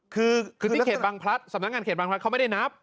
คือที่เขตบางพลัดสำนักงานเขตบางพลัดเขาไม่ได้นับ